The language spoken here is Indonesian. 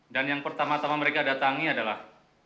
dan yang pertama tama mereka datangi adalah